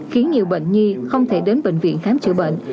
khiến nhiều bệnh nhi không thể đến bệnh viện khám chữa bệnh